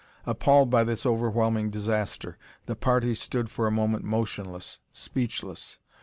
Appalled by this overwhelming disaster, the party stood for a moment motionless, speechless.